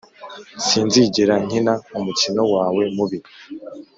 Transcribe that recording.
sinzigera nkina umukino wawe mubi.